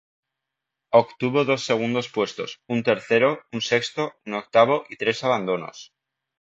Obtuvo dos segundos puestos, un tercero, un sexto, un octavo y tres abandonos.